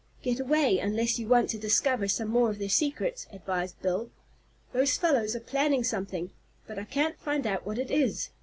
"Get away, unless you want to discover some more of their secrets," advised Bill. "Those fellows are planning something, but I can't find out what it is.